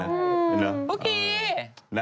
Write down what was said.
เห็นหรือ